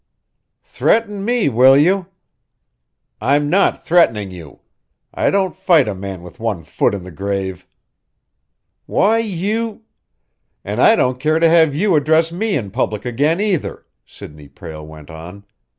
"Threaten me, will you?" "I'm not threatening you. I don't fight a man with one foot in the grave." "Why you " "And I don't care to have you address me in public again, either," Sidney Prale went on.